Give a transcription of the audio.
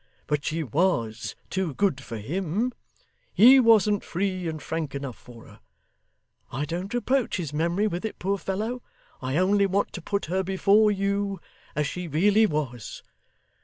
But she WAS too good for him; he wasn't free and frank enough for her. I don't reproach his memory with it, poor fellow; I only want to put her before you as she really was.